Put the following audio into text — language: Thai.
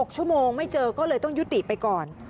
๖ชั่วโมงไม่เจอก็เลยต้องยุติไปก่อน